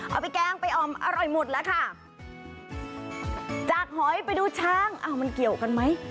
แกงไปอ่อมอร่อยหมดแล้วค่ะจากหอยไปดูช้างอ้าวมันเกี่ยวกันไหม